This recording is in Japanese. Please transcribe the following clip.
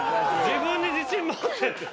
自分に自信持てって。